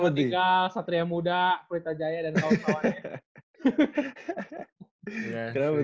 ketika satria muda pwita jaya dan kawan kawannya